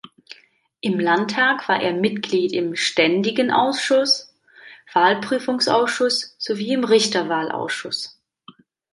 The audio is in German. Im Landtag war er Mitglied im Ständigen Ausschuss, Wahlprüfungsausschuss, sowie im Richterwahlausschuss.